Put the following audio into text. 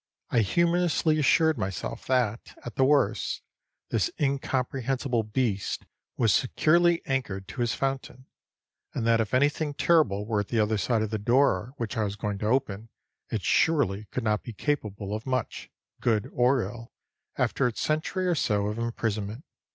I humorously assured myself that, at the worst, this incomprehensible beast was securely anchored to his fountain; and that if anything terrible were at the other side of the door which I was going to open, it surely could not be capable of much, good or ill, after its century or so of imprisonment.